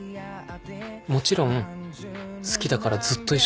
もちろん好きだからずっと一緒にいたい。